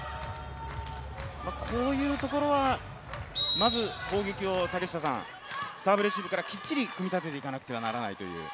こういうところは、まず攻撃をサーブレシーブからきっちり組み立てていかなくてはならないという。